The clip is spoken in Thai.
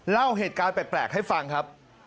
เล่าเหตุการณ์แปลกให้ฟังครับ